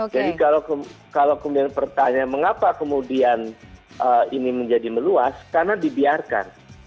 jadi kalau kemudian pertanyaan mengapa kemudian ini menjadi meluas karena dibiarkan